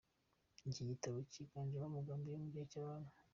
Iki gitabo kiganjemo amagambo yo mu gihe cy’Abami.